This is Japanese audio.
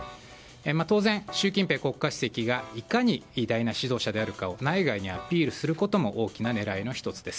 当然、習近平国家主席がいかに偉大な指導者であるかを内外にアピールすることも大きな狙いの１つです。